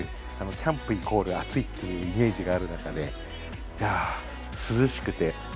キャンプイコール暑いっていうイメージがある中で、涼しくて。